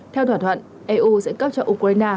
theo thỏa thuận eu sẽ cấp cho ukraine